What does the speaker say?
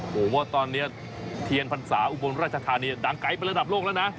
ผมว่าตอนนี้เทียนพรรษาอุบลราชธานีดังไกลไประดับโลกแล้วนะ